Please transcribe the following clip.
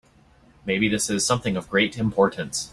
Maybe this is something of great importance.